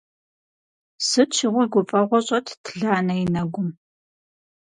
Сыт щыгъуи гуфӀэгъуэ щӀэтт Ланэ и нэгум.